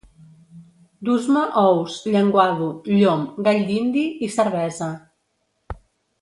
Dus-me ous, llenguado, llom, gall dindi i cervesa